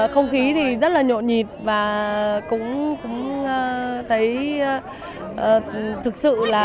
không khí thì rất là nhộn nhịp và cũng thấy thực sự là